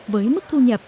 với một số cơ sở